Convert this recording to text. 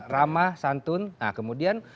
ramah santun nah kemudian